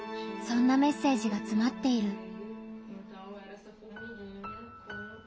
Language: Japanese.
そんなメッセージがつまっている。